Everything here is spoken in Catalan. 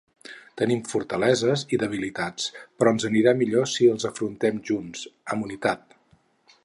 Tenim fortaleses i debilitats, però ens anirà millor si els afrontem junts, amb unitat.